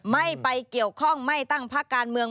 ไม่ไปเกี่ยวข้องไม่ตั้งพักการเมือง